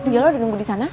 ya lo udah nunggu disana